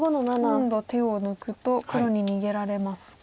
今度手を抜くと黒に逃げられます。